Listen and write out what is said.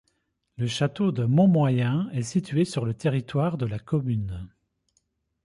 Le château de Montmoyen est situé sur le territoire de la commune.